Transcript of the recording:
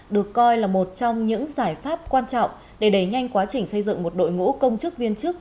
được coi là một trong những giải pháp quan trọng để đẩy nhanh quá trình xây dựng một đội ngũ công chức viên chức